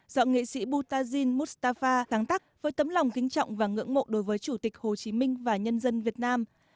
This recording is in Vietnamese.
do nghệ sĩ boutazine moustapha tăng tắc với tấm lòng kính trọng và ngưỡng mộ đối với chủ tịch hồ chí minh và nhân dân việt nam